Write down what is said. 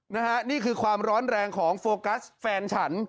นี่คือความร้อนแรงของโฟกัสแฟนฉัน